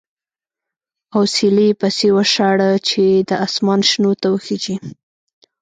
اوسیلی یې پسې وشاړه چې د اسمان شنو ته وخېژي.